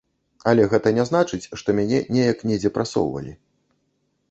Але гэта не значыць, што мяне неяк недзе прасоўвалі.